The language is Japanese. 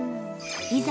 いざ